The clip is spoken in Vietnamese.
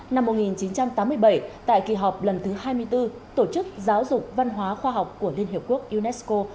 năm một nghìn chín trăm tám mươi bảy tại kỳ họp lần thứ hai mươi bốn tổ chức giáo dục văn hóa khoa học của liên hiệp quốc unesco